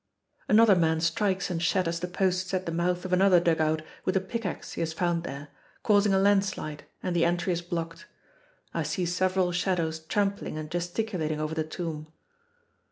Another man strikes and shatters the posts at the mouth of another dug out with a pickax he has found there, causing a landslide, and the entry is blocked. I see several shadows trampling and gesticulating over the tomb.